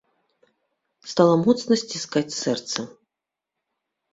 Стала моцна сціскаць сэрца.